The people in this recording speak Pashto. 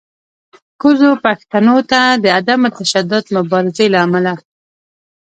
کوزو پښتنو ته د عدم تشدد مبارزې له امله